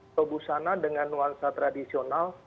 atau busana dengan nuansa tradisional